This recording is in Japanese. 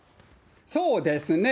そうですね。